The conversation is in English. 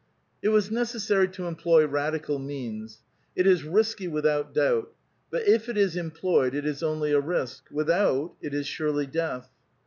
It was necessary to employ radical means. It is risky without doubt ; but if it is employed, it is only a risk ; with out, it is sure death.